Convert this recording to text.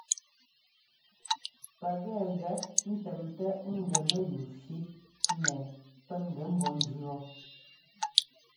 Pɛkɛ ŋ́gɛ ńtɛmtɛ́ ŋ́gɛ mɛyúu fí mɛ pɛ́ ŋ́gɛ ḿbɔ́ ńjʉɔ.